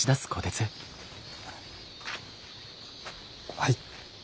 はい。